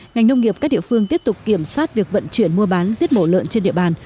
ngành nông nghiệp các địa phương tiếp tục kiểm soát việc vận chuyển mua bán giết mổ lợn trên địa bàn